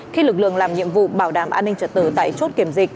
khi lực lượng làm nhiệm vụ bảo đảm an ninh trật tự tại chốt kiểm dịch